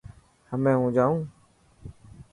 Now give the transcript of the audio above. همي هون جائون.